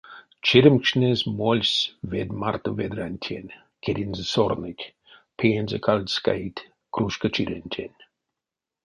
Чиремкшнезь мольсь ведь марто ведрантень, кедензэ сорныть, пеензэ кальцькаить кружка чирентень.